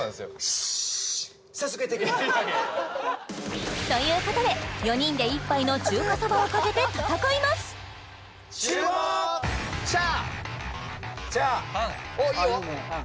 シーッ！ということで４人で１杯の中華そばをかけて戦いますおっいいよ